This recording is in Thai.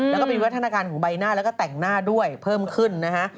แล้วก็เป็นวัฒนาการของใบหน้าแล้วก็แต่งหน้าด้วยเพิ่มขึ้นนะฮะ